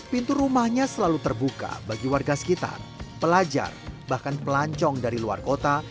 pintu rumahnya selalu terbuka bagi warga sekitar pelajar bahkan pelancong dari luar kota